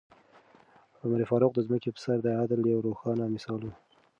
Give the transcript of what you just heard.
عمر فاروق د ځمکې په سر د عدل یو روښانه مثال و.